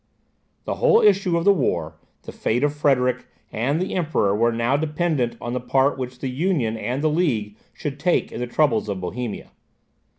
The whole issue of the war, the fate of Frederick and the Emperor, were now dependent on the part which the Union and the League should take in the troubles of Bohemia.